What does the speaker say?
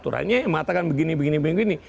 aturannya yang matakan begini begini begini